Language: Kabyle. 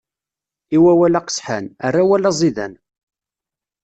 I wawal aqesḥan, err awal aẓidan!